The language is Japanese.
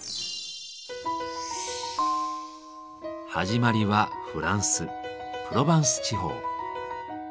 始まりはフランス・プロバンス地方。